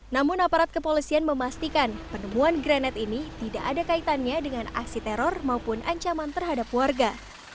namun aparat kepolisian memastikan penemuan granat ini tidak ada kaitannya dengan aksi teror maupun ancaman terhadap warga